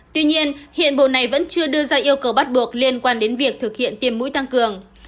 tuy nhiên hiện bộ này vẫn chưa đưa ra yêu cầu bắt buộc liên quan đến việc thực hiện tiêm mũi tăng cường